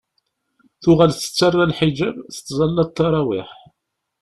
Tuɣal tettarra lḥiǧab, tettẓalla ttarawiḥ.